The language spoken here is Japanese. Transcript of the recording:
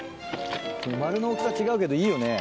丸の大きさ違うけどいいよね。